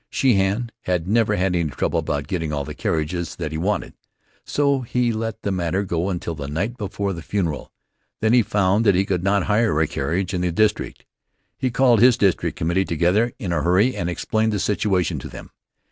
Sheehan had never had any trouble about getting all the carriages that he wanted, so he let the matter go until the night before the funeral. Then he found that he could not hire a carriage in the district. He called his district committee together in a hurry and explained the situation to them.